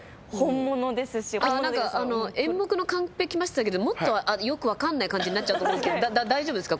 演目のカンペきましたけどもっとよく分かんない感じになっちゃうと思うんですけど大丈夫ですか？